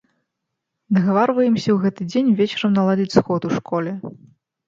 Дагаварваемся ў гэты дзень вечарам наладзіць сход у школе.